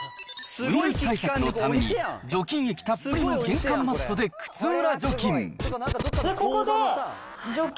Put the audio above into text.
ウイルス対策のために、除菌液たっぷりの玄関マットで靴裏除菌。